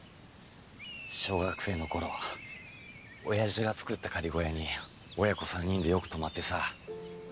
小学生の頃親父が作った仮小屋に親子３人でよく泊まってさ。